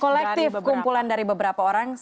kolektif kumpulan dari beberapa orang